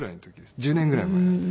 １０年ぐらい前なんで。